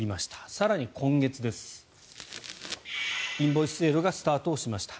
更に今月です、インボイス制度がスタートしました。